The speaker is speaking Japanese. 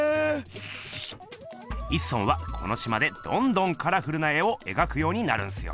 一村はこのしまでどんどんカラフルな絵をえがくようになるんすよ。